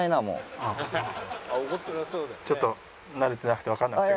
ちょっと慣れてなくてわかんなくて。